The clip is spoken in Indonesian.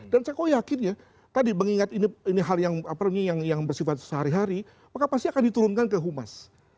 dan saya kok yakin ya tadi mengingat ini hal yang bersifat sehari hari maka pasti akan diturunkan ke humas